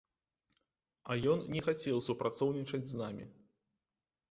А ён не хацеў супрацоўнічаць з намі.